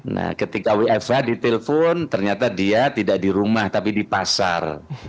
nah ketika wfh ditelepon ternyata dia tidak di rumah tapi di pasar